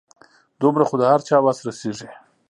دومره خو د هر چا وس رسيږي .